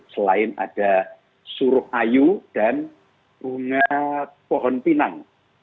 selain ada suruh ayu dan bunga pohon pinang